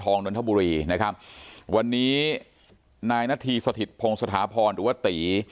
ในบังบัวทองดนทบุรีนะครับวันนี้นายนาธิสถิตพงศ์สถาพรอุวติ